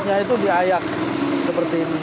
lagi kecepatan gitu